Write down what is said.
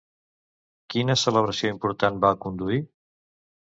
Quina celebració important va conduir?